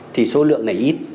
thì số lượng này ít